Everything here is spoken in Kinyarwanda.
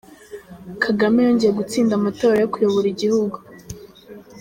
kagame yongeye gutsinda amatora yo kuyobora igihugu